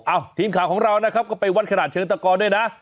ทีมข่าวของเรานะครับก็ไปวัดขนาดเชิงตะกรด้วยนะ